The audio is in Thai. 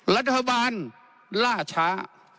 รัฐบาลล่าช้า